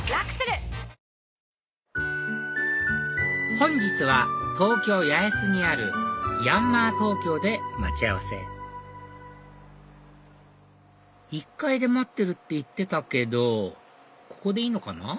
本日は東京八重洲にあるＹＡＮＭＡＲＴＯＫＹＯで待ち合わせ１階で待ってるって言ってたけどここでいいのかな？